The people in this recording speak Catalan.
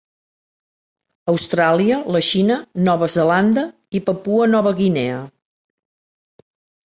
Austràlia, la Xina, Nova Zelanda i Papua Nova Guinea.